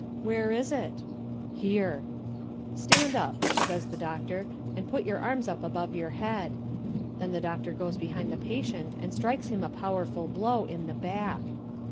"Where is it?" "Here." "Stand up," says the doctor, "and put your arms up above your head." Then the doctor goes behind the patient and strikes him a powerful blow in the back.